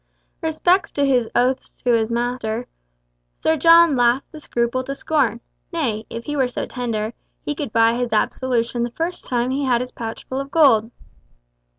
Respect to his oaths to his master—Sir John laughed the scruple to scorn; nay, if he were so tender, he could buy his absolution the first time he had his pouch full of gold.